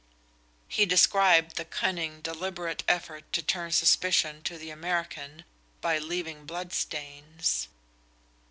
He described the cunning, deliberate effort to turn suspicion to the American by leaving bloodstains.